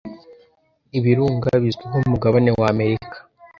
Ibirunga bizwi nkumugabane wa amerika